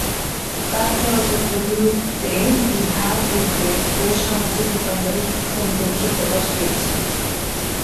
তার চলচ্চিত্রগুলোতে দ্বিধা, উদ্বেগ, ও সামাজিক রূপান্তরের সৌন্দর্য প্রকাশ পেয়েছে।